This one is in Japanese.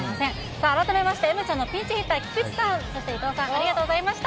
さあ、改めまして梅ちゃんのピンチヒッター、菊池さん、そして伊藤さん、ありがとうございました。